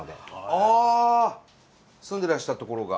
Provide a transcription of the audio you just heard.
ああ住んでらしたところが。